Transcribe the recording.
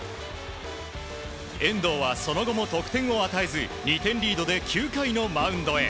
遠藤は、その後も得点を与えず２点リードで９回のマウンドへ。